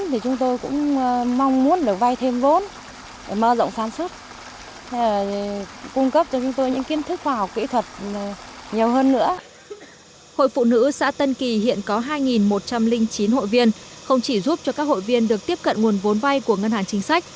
hội phụ nữ xã tân kỳ hiện có hai một trăm linh chín hội viên không chỉ giúp cho các hội viên được tiếp cận nguồn vốn vay của ngân hàng chính sách